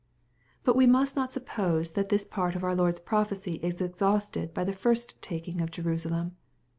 But we must not suppose that this part of our Lord's prophecy is exhausted by the first taking of Jerusalem.